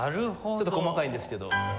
ちょっと細かいんですけど。